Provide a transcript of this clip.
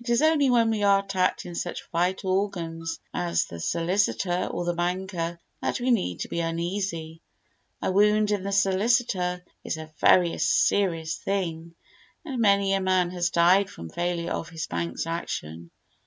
It is only when we are attacked in such vital organs as the solicitor or the banker that we need be uneasy. A wound in the solicitor is a very serious thing, and many a man has died from failure of his bank's action.